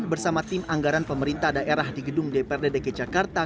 bersama tim anggaran pemerintah daerah di gedung dprd dki jakarta